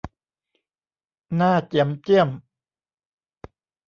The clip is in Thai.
หน้าเจี๋ยมเจี้ยม